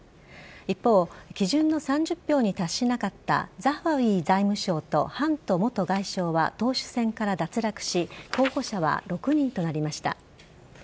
一方基準の３０票に達しなかったザハウィ財務相とハント元外相は党首選から脱落し候補者は６人となりました。